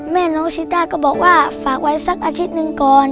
แม่น้องชิต้าก็บอกว่าฝากไว้สักอาทิตย์หนึ่งก่อน